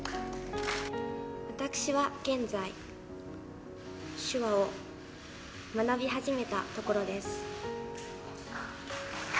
私は現在、手話を学び始めたところです。